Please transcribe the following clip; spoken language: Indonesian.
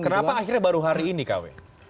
kenapa akhirnya baru hari ini kw